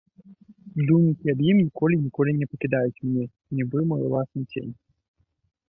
Думкі аб ім ніколі, ніколі не пакідаюць мяне, нібы мой уласны цень.